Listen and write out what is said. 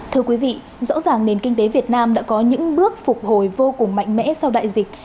thưa quý vị rõ ràng nền kinh tế việt nam đã có những bước phục hồi vô cùng mạnh mẽ sau đại dịch